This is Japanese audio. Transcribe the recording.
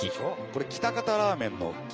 これ喜多方ラーメンの。